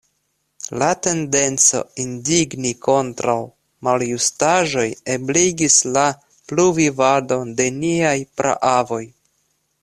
La tendenco indigni kontraŭ maljustaĵoj ebligis la pluvivadon de niaj praavoj.